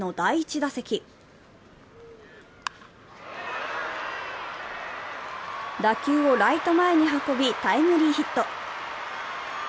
打球をライト前へ運び、タイムリーヒット。